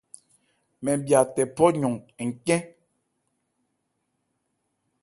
Mɛn bhya tɛ phɔ̂ yɔn ncɛ́n.